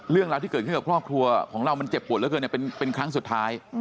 เรื่องราวที่เกิดขึ้นกับครอบครัวของเรามันเจ็บปวดเหลือเกินเป็นครั้งสุดท้าย